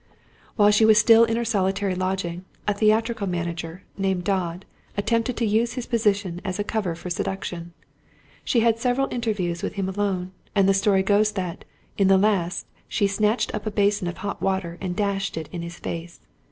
While she was still in her solitary lodging, a theatrical manager, named Dodd, attempted to use his position as a cover for seduction. She had several interviews with him alone, and the story goes that, in the last, she snatched up a basin of hot water and dashed it in his face.